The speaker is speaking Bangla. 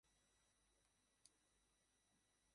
মরণ হলে যে বাঁচি।